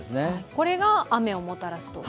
これが雨をもたらすと？